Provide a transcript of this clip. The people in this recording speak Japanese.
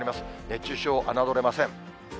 熱中症、侮れません。